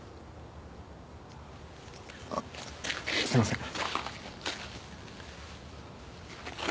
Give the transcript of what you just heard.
あっすいません。